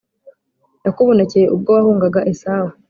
yakubonekeye ubwo wahungaga esawu